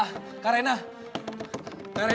kamu bisa cepet di lamian